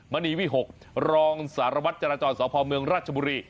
มณีวิหกรองสารวัตรจราจรสพเมืองราชบุรี